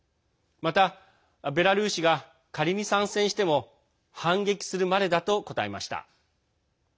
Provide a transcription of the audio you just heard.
またベラルーシが仮に参戦しても反撃するまでだと答えました。